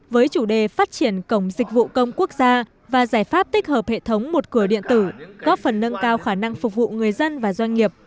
với chủ đề phát triển cổng dịch vụ công quốc gia và giải pháp tích hợp hệ thống một cửa điện tử góp phần nâng cao khả năng phục vụ người dân và doanh nghiệp